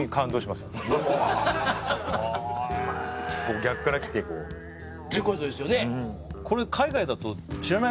逆から来てこうってことですよね？